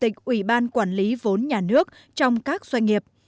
giữ chức vụ chủ tịch ủy ban quản lý vốn nhà nước trong các doanh nghiệp